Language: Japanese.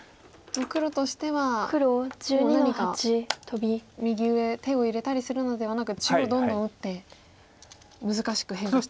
もう黒としては何か右上手を入れたりするのではなく中央どんどん打って難しく変化していくと。